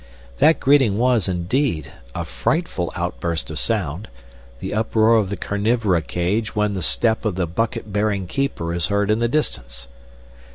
That greeting was, indeed, a frightful outburst of sound, the uproar of the carnivora cage when the step of the bucket bearing keeper is heard in the distance.